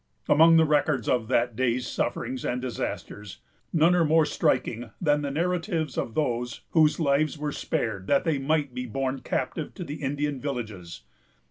Among the records of that day's sufferings and disasters, none are more striking than the narratives of those whose lives were spared that they might be borne captive to the Indian villages.